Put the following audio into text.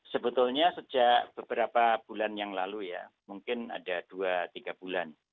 sebetulnya sejak beberapa bulan yang lalu ya mungkin ada dua tiga bulan